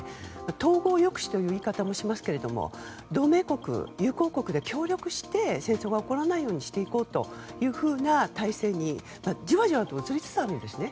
統合抑止という言い方もしますけど同盟国、友好国で協力して戦争が起こらないようにしていこうというような体制に、じわじわと移りつつあるんですよね。